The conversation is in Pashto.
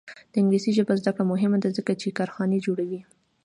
د انګلیسي ژبې زده کړه مهمه ده ځکه چې کارخانې جوړوي.